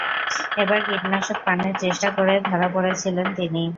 একবার কীটনাশক পানের চেষ্টা করে ধরা পড়েছিলেন তিনি।